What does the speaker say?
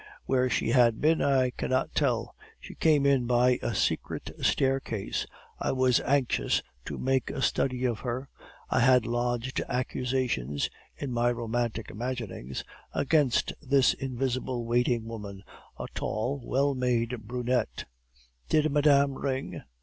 Where she had been I cannot tell; she came in by a secret staircase. I was anxious to make a study of her. I had lodged accusations, in my romantic imaginings, against this invisible waiting woman, a tall, well made brunette. "'Did madame ring?